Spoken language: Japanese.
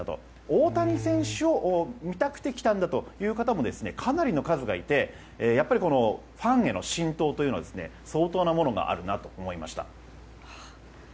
大谷選手を見たくて来たんだという方もかなりの数がいてファンへの浸透というのは相当なものがあるなと思いました。